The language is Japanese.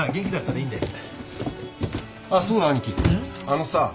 あのさ。